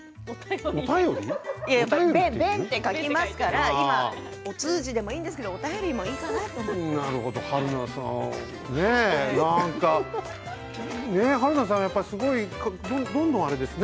便って書きますからねお通じでもいいんですけど春菜さん何かどんどんあれですね